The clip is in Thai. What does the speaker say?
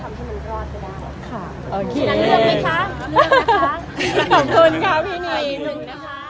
ตรง